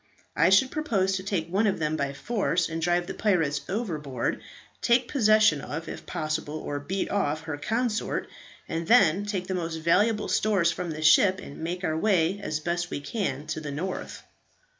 I should propose to take one of them by force, and drive the pirates overboard; take possession of, if possible, or beat off, her consort; and then take the most valuable stores from the ship, and make our way as best we can to the north."